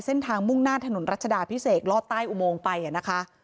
เส้นทางมุ่งหน้าถนนรัชดาพิเศษลอดใต้อุโมงไปนะคะ